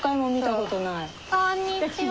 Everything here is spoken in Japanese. こんにちは。